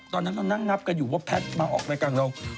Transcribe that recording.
ตอนนั้นนั่นนั่งเรื่องแพทมาออกในกลางไนว่า